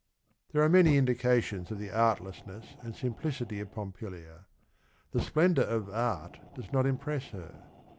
T here are many indication s of the artlessness and simplicity of Pompilia! The splendor of art does not impress her.